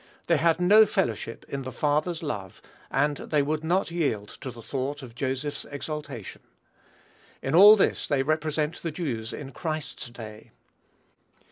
They had no fellowship in the father's love, and they would not yield to the thought of Joseph's exaltation. In all this they represent the Jews in Christ's day.